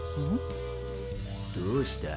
どうした？